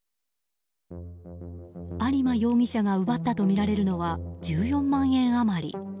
有馬容疑者が奪ったとみられるのは１４万円あまり。